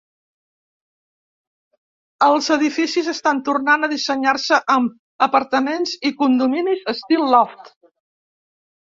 Els edificis estan tornant a dissenyar-se amb apartaments i condominis estil loft.